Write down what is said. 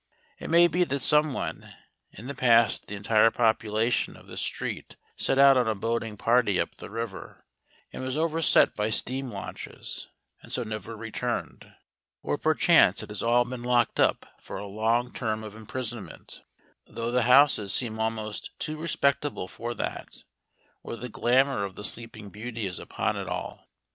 It may be that somewhen in the past the entire population of this street set out on a boating party up the river, and was overset by steam launches, and so never returned, or perchance it has all been locked up for a long term of imprisonment though the houses seem almost too respectable for that; or the glamour of the Sleeping Beauty is upon it all.